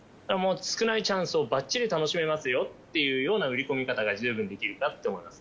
少ないチャンスをバッチリ楽しめますよっていうような売り込み方が十分できるかと思います。